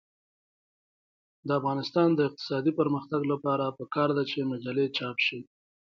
د افغانستان د اقتصادي پرمختګ لپاره پکار ده چې مجلې چاپ شي.